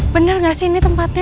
bener gak sih ini tempatnya